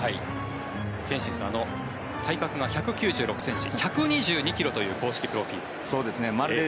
憲伸さん、体格が１９６ｃｍ、１２２ｋｇという公式プロフィル。